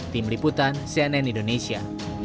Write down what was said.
tim liputan cnn indonesia